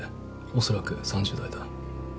おそらく３０代だ。